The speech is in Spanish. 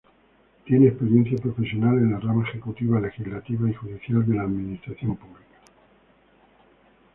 Tiene experiencia profesional en la Rama Ejecutiva, Legislativa y Judicial de la Administración Pública.